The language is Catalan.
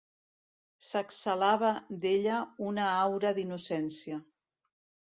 S'exhalava d'ella una aura d'innocència.